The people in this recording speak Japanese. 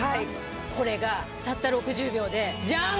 これがたった６０秒でじゃん！